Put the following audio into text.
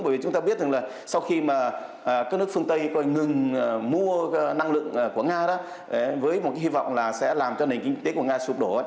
bởi vì chúng ta biết rằng là sau khi các nước phương tây ngừng mua năng lượng của nga với một hy vọng là sẽ làm cho nền kinh tế của nga xụp đổ